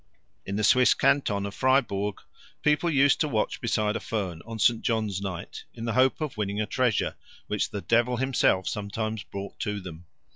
In the Swiss canton of Freiburg people used to watch beside a fern on St. John's night in the hope of winning a treasure, which the devil himself sometimes brought to them.